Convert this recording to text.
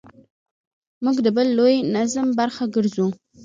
موږ د بل لوی نظم برخه ګرځو.